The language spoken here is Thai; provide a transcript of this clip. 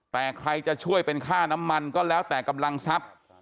แต่ใครจะช่วยเป็นค่าน้ำมันก็แล้วแต่กำลังทรัพย์